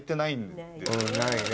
ないね